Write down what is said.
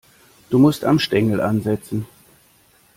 Du musst am Stängel ansetzen.